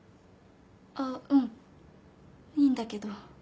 あっうんいいんだけど。